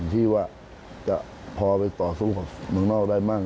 ที่ว่าจะพอไปต่อสู้กับเมืองนอกได้มั่ง